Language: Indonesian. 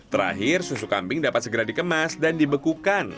terakhir susu kambing dapat segera dikemas dan dibekukan